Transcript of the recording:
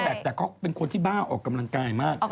แต่เขาเป็นคนที่บ้าออกกำลังกายมาก